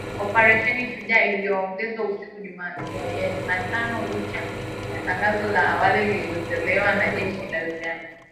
Oparesheni Shujaa iliongezwa siku ya Jumatano licha ya tangazo la awali lililotolewa na jeshi la Uganda